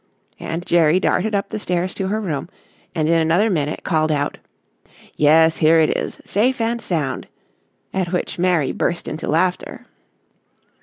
and Jerry darted up the stairs to her room, and in another minute called out: "Yes, here it is, safe and sound," at which Mary burst into laughter.